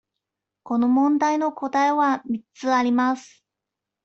この問題の答えは三つあります。